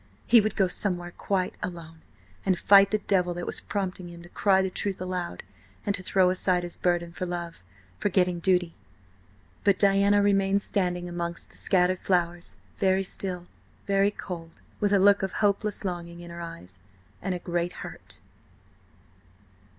He would go somewhere quite alone and fight the devil that was prompting him to cry the truth aloud and to throw aside his burden for love, forgetting duty. But Diana remained standing among the scattered flowers, very still, very cold, with a look of hopeless longing in her eyes and a great hurt.